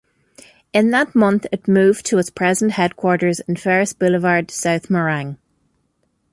In that month, it moved to its present headquarters in Ferres Boulevard, South Morang.